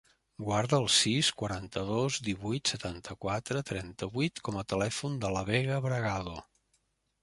Guarda el sis, quaranta-dos, divuit, setanta-quatre, trenta-vuit com a telèfon de la Vega Bragado.